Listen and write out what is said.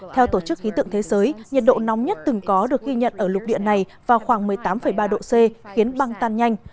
theo tổ chức khí tượng thế giới nhiệt độ nóng nhất từng có được ghi nhận ở lục địa này vào khoảng một mươi tám ba độ c khiến băng tan nhanh